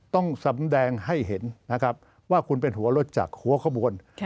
ต้องสำแดงให้เห็นว่าคุณเป็นหัวรถจักรหัวข้อมูล